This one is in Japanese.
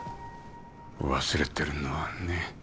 忘れてるのはね